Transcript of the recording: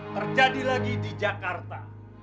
terjadi lagi di jakarta